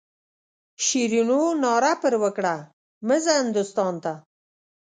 شیرینو ناره پر وکړه مه ځه هندوستان ته.